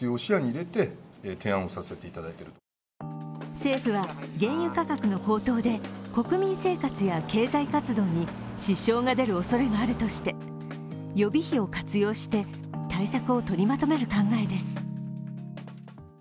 政府は原油価格の高騰で国民生活や経済活動に支障が出るおそれがあるとして予備費を活用して対策を取りまとめる考えです。